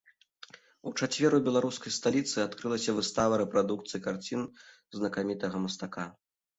У чацвер у беларускай сталіцы адкрылася выстава рэпрадукцый карцін знакамітага мастака.